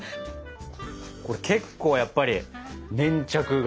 これ結構やっぱり粘着が。